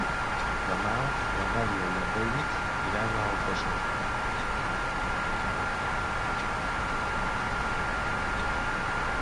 Demà na Nàdia i en David iran a Alcosser.